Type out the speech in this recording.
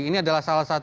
ini adalah salah satu